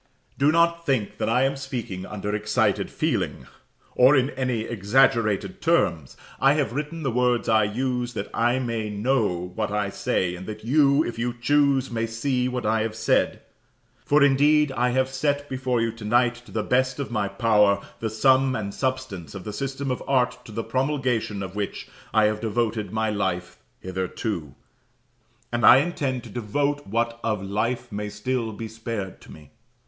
Do not think that I am speaking under excited feeling, or in any exaggerated terms. I have written the words I use, that I may know what I say, and that you, if you choose, may see what I have said. For, indeed, I have set before you tonight, to the best of my power, the sum and substance of the system of art to the promulgation of which I have devoted my life hitherto, and intend to devote what of life may still be spared to me.